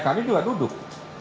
kami juga duduk